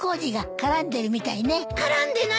絡んでない！